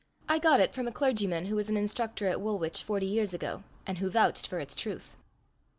I got it from a clergyman who was an instructor at Woolwich forty years ago, and who vouched for its truth.